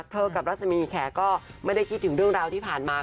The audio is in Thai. กับรัศมีแขกก็ไม่ได้คิดถึงเรื่องราวที่ผ่านมา